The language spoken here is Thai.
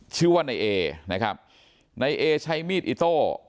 ชื่อว่านายเอนะครับนายเอใช้มีดอิโต้